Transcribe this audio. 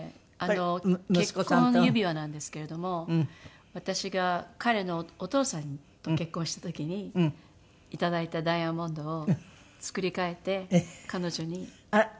結婚指輪なんですけれども私が彼のお父さんと結婚した時にいただいたダイヤモンドを作り替えて彼女にプレゼントしました。